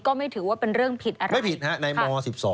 ก็ไม่ถือว่าเป็นเรื่องผิดอะไรค่ะค่ะค่ะค่ะค่ะค่ะไม่ผิด